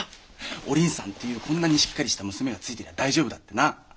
お倫さんっていうこんなにしっかりした娘がついてりゃ大丈夫だってな。